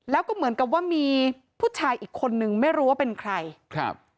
แล้วก็เหมือนกับว่ามีผู้ชายอีกคนนึงไม่รู้ว่าเป็นใครครับ